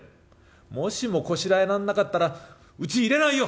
もしもこしらえらんなかったらうち入れないよ！」。